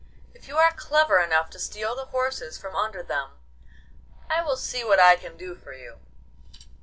If you are clever enough to steal the horses from under them, I will see what I can do for you.